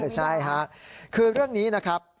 ใช่ค่ะคือเรื่องนี้นะครับ